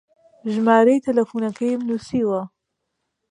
ژمارەی تەلەفۆنەکەیم نووسیوە.